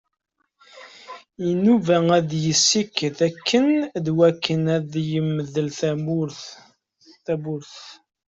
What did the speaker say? Inuba ad yessiked akkin d wakka ad yemdel tawwurt.